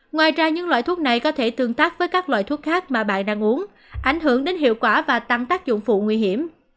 ngoài ra những loại thuốc này có thể tương tác với các loại thuốc khác mà bạn đang uống ảnh hưởng đến hiệu quả và tăng tác dụng phụ nguy hiểm